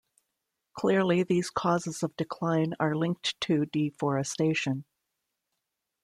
Clearly, these causes of decline are linked to deforestation.